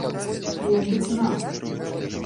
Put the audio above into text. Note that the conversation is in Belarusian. А як быць нам?